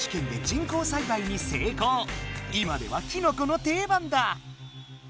今ではキノコの定番だ。